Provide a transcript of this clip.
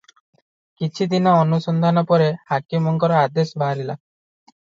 କିଛି ଦିନ ଅନୁସନ୍ଧାନ ପରେ ହାକିମଙ୍କର ଆଦେଶ ବାହାରିଲା ।